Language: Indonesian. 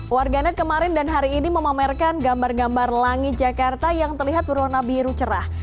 warganet kemarin dan hari ini memamerkan gambar gambar langit jakarta yang terlihat berwarna biru cerah